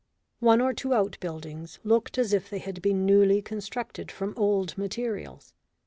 One or two outbuildings looked as if they had been newly constructed from old materials.